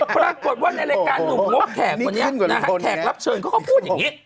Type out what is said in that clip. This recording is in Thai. ปรากฏว่าในรายการหนุ่มงกแขกคนนี้นะฮะแขกรับเชิญเขาก็พูดอย่างนี้